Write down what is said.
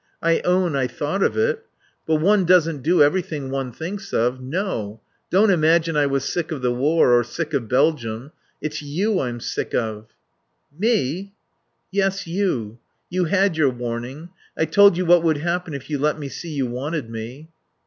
I own I thought of it. But one doesn't do everything one thinks of.... No.... Don't imagine I was sick of the war, or sick of Belgium. It's you I'm sick of." "Me?" "Yes, you. You had your warning. I told you what would happen if you let me see you wanted me."